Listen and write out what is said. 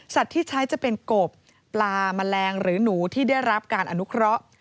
ที่ใช้จะเป็นกบปลาแมลงหรือหนูที่ได้รับการอนุเคราะห์